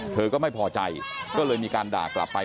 เธอก็ไม่พอใจก็เลยมีการด่ากลับไป